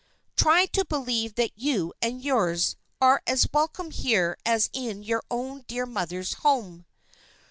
try to believe that you and yours are as welcome here as in your own dear mother's home."